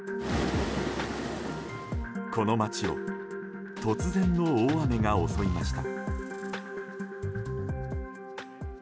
この町を突然の大雨が襲いました。